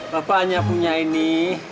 bapak hanya punya ini